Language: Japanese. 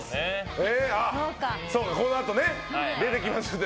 このあと出てきますね